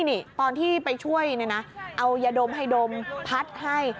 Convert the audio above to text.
นี่ตอนที่ไปช่วยเนี่ยนะเอายาดมให้ดมพัดให้